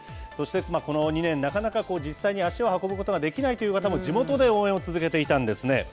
そして、この２年、なかなか実際に足を運ぶことができないという方も、地元で応援を続けていたんですね。